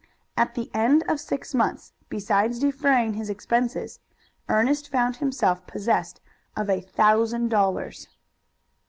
At the end of six months, besides defraying his expenses, Ernest found himself possessed of a thousand dollars.